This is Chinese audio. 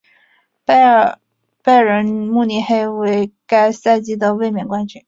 拜仁慕尼黑为该赛季的卫冕冠军。